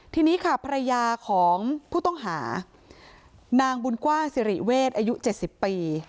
ทีนี้ค่ะภรรยาของผู้ต้องหานางบุญกว้างสิริเวศอายุ๗๐ปี